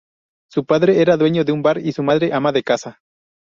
Su padre era dueño de un bar y su madre ama de casa.